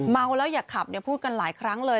เมาแล้วอย่าขับพูดกันหลายครั้งเลย